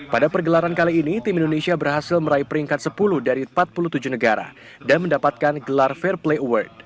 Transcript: pada pergelaran kali ini tim indonesia berhasil meraih peringkat sepuluh dari empat puluh tujuh negara dan mendapatkan gelar fair play award